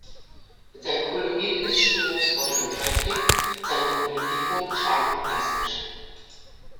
Sein Kolorit ist stimmungsvoll und kräftig, seine Modellierung scharf und plastisch.